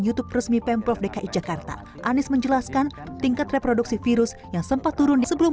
youtube resmi pemprov dki jakarta anies menjelaskan tingkat reproduksi virus yang sempat turun sebelum